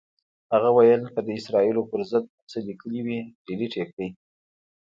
هغه ویل که د اسرائیلو پر ضد مو څه لیکلي وي، ډیلیټ یې کړئ.